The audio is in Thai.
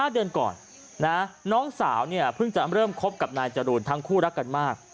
๕เดือนก่อนน้องสาวเนี่ยเพิ่งจะเริ่มคบกับนายจรูนทั้งคู่รักกันมาก